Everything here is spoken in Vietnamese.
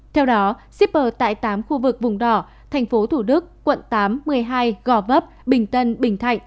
theo đó zipper tại tám khu vực vùng đỏ thành phố thủ đức quận tám một mươi hai gò vấp bình tân bình thạnh